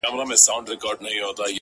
o په هغې باندي چا کوډي کړي،